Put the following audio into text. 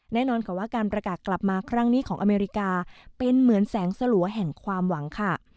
แน่นอนค่ะว่าการประกาศกลับมาครั้งนี้ของอเมริกาเป็นเหมือนแสงสลัวแห่งความหวังค่ะ